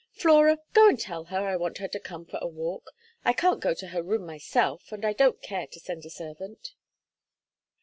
Flora, go and tell her I want her to come for a walk. I can't go to her room myself, and I don't care to send a servant."